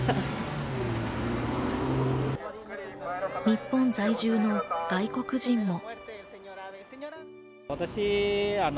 日本在住の外国人も。